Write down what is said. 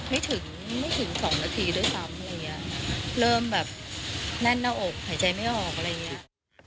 ไม่ถึงไม่ถึงสองนาทีด้วยซ้ำเริ่มแบบแน่นในอกหายใจไม่ออกอะไรอย่างเงี้ย